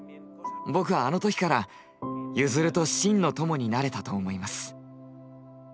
僕はあの時からユヅルと真の友になれたと思います。